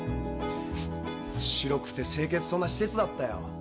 「白くて清潔そうな施設だったよ」